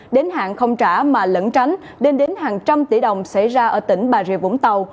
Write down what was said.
đến hạn không trả mà lẫn tránh lên đến hàng trăm tỷ đồng xảy ra ở tỉnh bà rịa vũng tàu